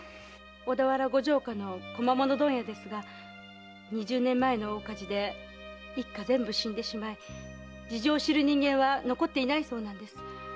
小田原ご城下の小間物問屋ですが二十年前の大火事で一家全部死んでしまい事情を知る人間は残っていないそうです。